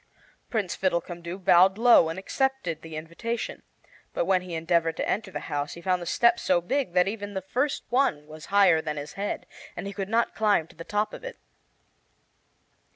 Prince Fiddlecumdoo bowed low and accepted the invitation, but when he endeavored to enter the house he found the steps so big that even the first one was higher than his head, and he could not climb to the top of it.